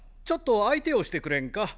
ちょっと相手をしてくれんか？